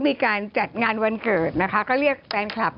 มีการจัดงานวันเกิดนะคะก็เรียกแฟนคลับ